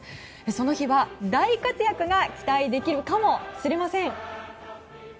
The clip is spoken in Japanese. その日は大活躍が期待できるかもしれません。